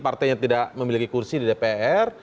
partainya tidak memiliki kursi di dpr